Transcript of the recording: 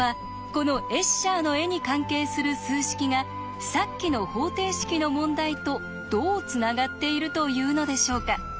このエッシャーの絵に関係する数式がさっきの方程式の問題とどうつながっているというのでしょうか？